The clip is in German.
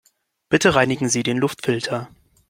Bitte reinigen Sie den Luftfilter.